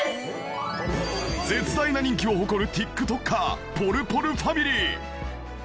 絶大な人気を誇るＴｉｋＴｏｋｅｒぽるぽるふぁみりー。